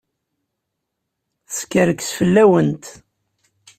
Teskerkes fell-awent.